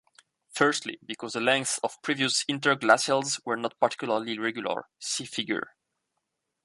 Firstly, because the lengths of previous interglacials were not particularly regular; see figure.